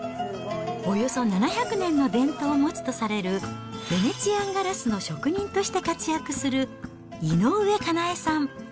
およそ７００年の伝統を持つとされるヴェネツィアンガラスの職人として活躍する井上佳奈枝さん。